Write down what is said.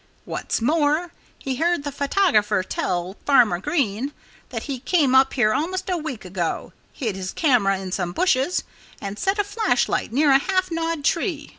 What's more, he heard the photographer tell Farmer Green that he came up here almost a week ago, hid his camera in some bushes, and set a flashlight near a half gnawed tree.